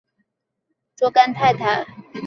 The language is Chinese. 我就认金友庄做干太太！